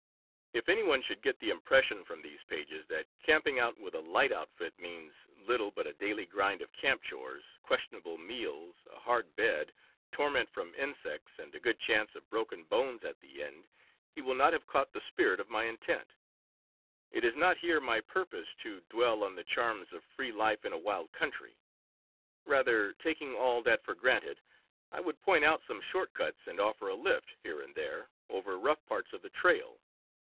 If any one should get the impression from these pages that camping out with a Hght outfit means Httle xiv FOREWORD but a daily grind of camp chores, questionable meals, a hard bed, torment from insects, and a good chance of broken bones at the end, he will not have caught the spirit of my intent. It is not here my purpose to dwell on the charms of free life in a wild country; rather, taking all that for granted, I would point out some short cuts, and offer a lift, here and there, over rough parts of the trail.